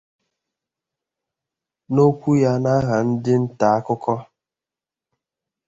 N'okwu ya n'aha ndị nta akụkọ